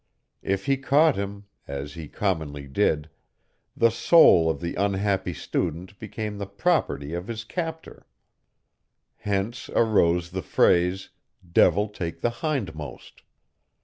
If he caught him, as he commonly did, the soul of the unhappy student became the property of his captor. Hence arose the phrase "Devil take the hindmost."